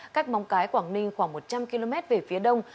cách mong cái quảng ninh khoảng một trăm linh km về phía đông